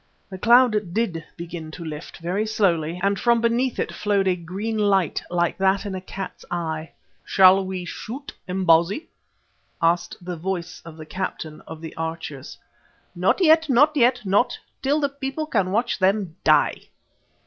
The cloud did begin to lift, very slowly, and from beneath it flowed a green light like that in a cat's eye. "Shall we shoot, Imbozwi?" asked the voice of the captain of the archers. "Not yet, not yet. Not till the people can watch them die."